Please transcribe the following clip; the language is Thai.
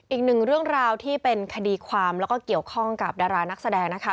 อีกหนึ่งเรื่องราวที่เป็นคดีความแล้วก็เกี่ยวข้องกับดารานักแสดงนะคะ